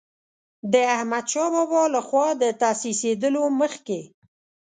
د احمدشاه بابا له خوا د تاسیسېدلو مخکې.